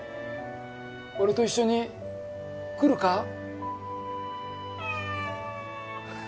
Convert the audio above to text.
俺と一緒に来るか？